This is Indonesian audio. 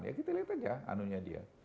ya kita lihat aja anunya dia